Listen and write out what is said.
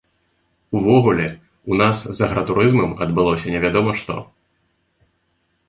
Увогуле, у нас з агратурызмам адбылося невядома што.